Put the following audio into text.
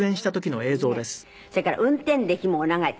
それから運転歴もお長い。